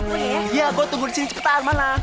oh iya gue tunggu di sini cepetan mana